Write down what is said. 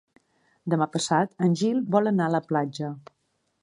Demà passat en Gil vol anar a la platja.